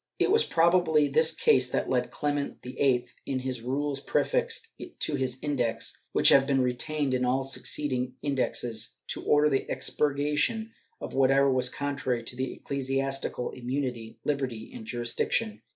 ^ It was probably this case that led Clement VIII, in the Rules prefixed to his Index, which have been retained in all succeeding Indexes, to order the expurgation of whatever was contrary to ecclesiastical immunity, hberty and jurisdiction.